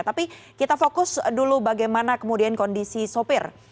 tapi kita fokus dulu bagaimana kemudian kondisi sopir